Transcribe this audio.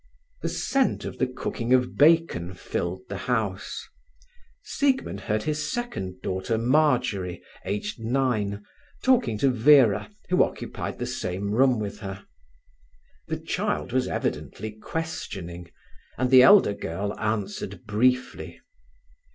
The scent of the cooking of bacon filled the house. Siegmund heard his second daughter, Marjory, aged nine, talking to Vera, who occupied the same room with her. The child was evidently questioning, and the elder girl answered briefly.